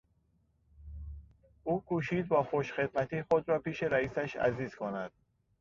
او کوشید با خوش خدمتی خود را پیش رئیسش عزیز کند.